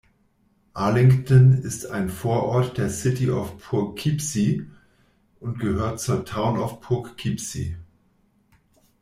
Arlington ist ein Vorort der City of Poughkeepsie und gehört zur Town of Poughkeepsie.